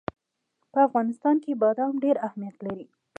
په افغانستان کې بادام ډېر اهمیت لري.